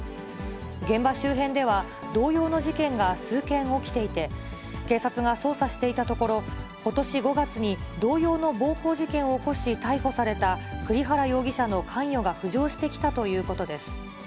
現場周辺では、同様の事件が数件起きていて、警察が捜査していたところ、ことし５月に同様の暴行事件を起こし、逮捕された栗原容疑者の関与が浮上してきたということです。